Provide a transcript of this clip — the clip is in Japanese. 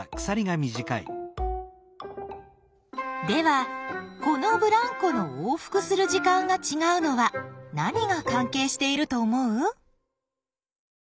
ではこのブランコの往復する時間がちがうのは何が関係していると思う？